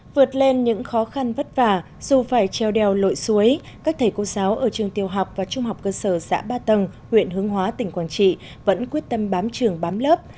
vượt lên những khó khăn vất vả dù phải treo đeo lội suối các thầy cô giáo ở trường tiêu học và trung học cơ sở xã ba tầng huyện hướng hóa tỉnh quảng trị vẫn quyết tâm bám trường bám lớp